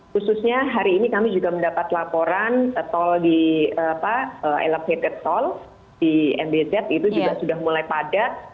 khususnya hari ini kami juga mendapat laporan tol di elevated toll di mbz itu juga sudah mulai padat